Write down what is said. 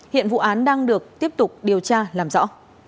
hiện vụ án đang được tiếp tục điều tra làm rõ